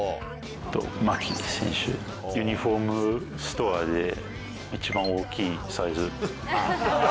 ユニホームストアで一番大きいサイズ。